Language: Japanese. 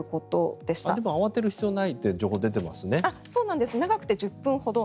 でも、慌てる必要はないという情報が出ていますね。